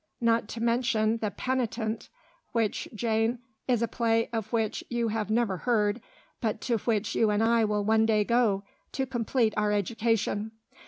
Not to mention 'The Penitent,' which, Jane, is a play of which you have never heard, but to which you and I will one day go, to complete our education.